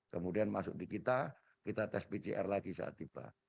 kemudian masuk di kita kita tes pcr lagi saat tiba